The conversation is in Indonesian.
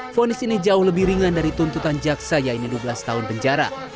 fonis ini jauh lebih ringan dari tuntutan jaksa yaitu dua belas tahun penjara